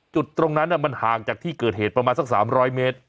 จุดตรงนั้นมันห่างจากที่เกิดเหตุประมาณสัก๓๐๐เมตร